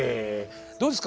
どうですか？